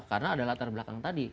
karena ada latar belakang tadi